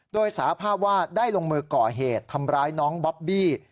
โดยสาภาพว่าได้ลงมือก่อเหตุทำร้ายน้องบอบบี้